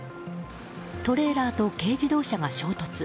トレーラーと軽自動車が衝突。